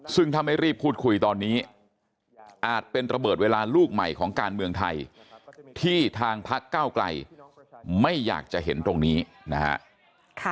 ซึ่งถ้าไม่รีบพูดคุยตอนนี้อาจเป็นระเบิดเวลาลูกใหม่ของการเมืองไทยที่ทางพักเก้าไกลไม่อยากจะเห็นตรงนี้นะฮะ